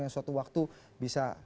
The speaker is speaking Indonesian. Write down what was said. yang suatu waktu bisa